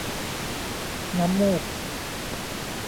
น้ำมูก